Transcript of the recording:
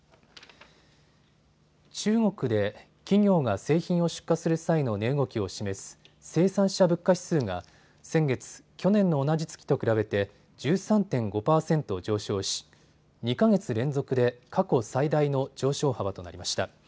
中国で企業が製品を出荷する際の値動きを示す生産者物価指数が先月、去年の同じ月と比べて１３．５％上昇し、２か月連続で過去最大の上昇幅となりました。